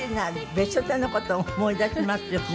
『ベストテン』の事思い出しますよね。